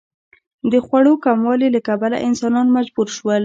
د خوړو کموالي له کبله انسانان مجبور شول.